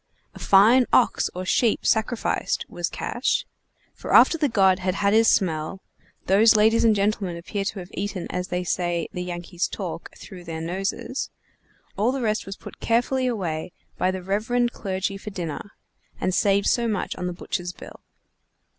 A fine ox or sheep sacrificed was cash; for after the god had had his smell (those ladies and gentlemen appear to have eaten as they say the Yankees talk through their noses,) all the rest was put carefully away by the reverend clergy for dinner, and saved so much on the butcher's bill.